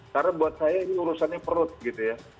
karena buat saya ini urusannya perut gitu ya